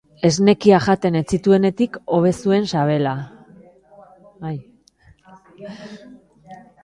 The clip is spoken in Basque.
Esnekiak jaten ez zituenetik hobe zuen sabela.